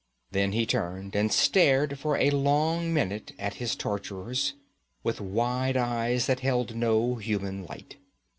Then he turned and stared for a long minute at his torturers, with wide eyes that held no human light.